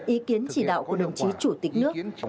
ý kiến chỉ đạo của đồng chí chủ tịch nước